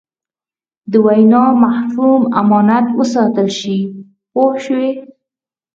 د وینا مفهوم امانت وساتل شي پوه شوې!.